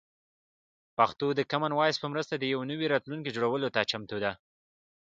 پښتو د کامن وایس په مرسته د یو نوي راتلونکي جوړولو ته چمتو ده.